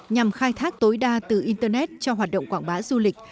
nhằm khai thác tối đa từ internet cho hoạt động quảng bá du lịch